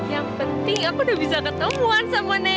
yang penting aku udah bisa ketemuan sama nenek